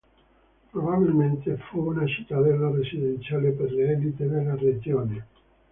Probabilmente fu una cittadella residenziale per le élite della regione.